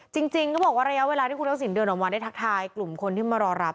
จริงเขาบอกว่าระยะเวลาที่คุณทักษิณเดินออกมาได้ทักทายกลุ่มคนที่มารอรับ